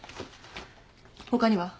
他には？